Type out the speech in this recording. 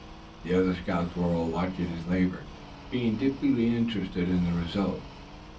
The other scouts were all watching his labor, being deeply interested in the result.